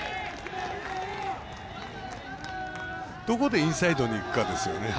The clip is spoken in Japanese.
どこでインサイドにいくかですよね。